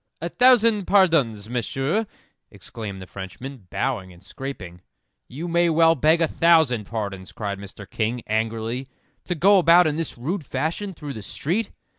"A thousand pardons, Monsieur!" exclaimed the Frenchman, bowing and scraping. "You may well beg a thousand pardons," cried Mr. King, angrily, "to go about in this rude fashion through the street."